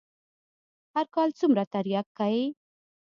هر کال څومره ترياک کيي.